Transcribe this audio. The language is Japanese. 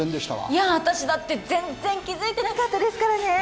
いやわたしだって全然気づいてなかったですからねぇ。